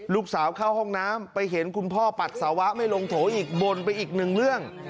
ลูกสาวเข้าห้องน้ำไปเห็นคุณพ่อปัสสาวะไม่ลงโถอีกบ่นไปอีกหนึ่งเรื่อง